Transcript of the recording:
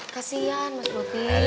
kasian mas bubi